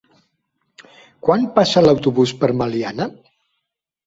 Quan passa l'autobús per Meliana?